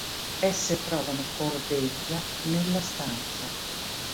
Esse trovano Cordelia nella stanza.